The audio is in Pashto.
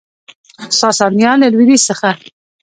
ساسانیان له لویدیځ څخه